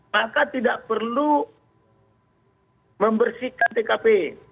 maka tidak perlu membersihkan tkp